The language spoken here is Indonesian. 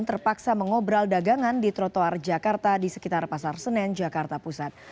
terpaksa mengobrol dagangan di trotoar jakarta di sekitar pasar senen jakarta pusat